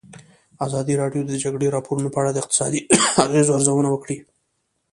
ازادي راډیو د د جګړې راپورونه په اړه د اقتصادي اغېزو ارزونه کړې.